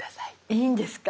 いいんですか？